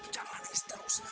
jangan nangis terus